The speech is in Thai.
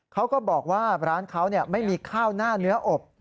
เขาก็บอกว่าร้านเขาไม่มีข้าวหน้าเนื้ออบ